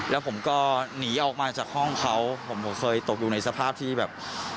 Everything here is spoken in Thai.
แล้วผมก็หนีออกมาจากห้องเขาผมเคยตกอยู่ในสภาพที่แบบ